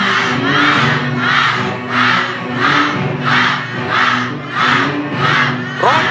เพลงนี้ที่๕หมื่นบาทแล้วน้องแคน